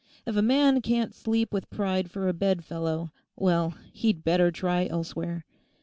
If a man can't sleep with pride for a bed fellow, well, he'd better try elsewhere.